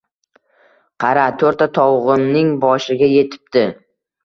Qara, to`rtta tovug`imning boshiga etibdi